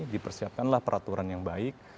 dipersiapkanlah peraturan yang baik